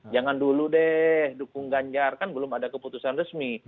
jangan dulu deh dukung ganjar kan belum ada keputusan resmi